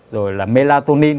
rồi là melatonin